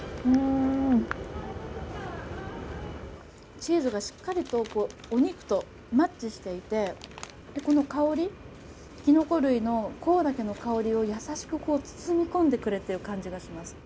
チーズがしっかりとお肉とマッチしていてこの香り、きのこ類の香茸の香りを優しく包み込んでいる感じがします。